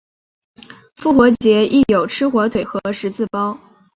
复活节亦有吃火腿和十字包。